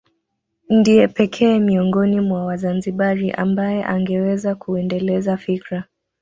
Ndiye pekee miongoni mwa Wazanzibari ambaye angeweza kuendeleza fikra